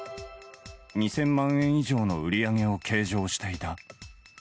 ２０００万円以上の売り上げを計上していた。